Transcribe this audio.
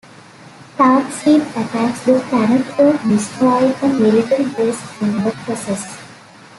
Darkseid attacks the planet Earth, destroying a military base in the process.